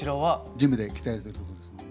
ジムで鍛えてるとこですね。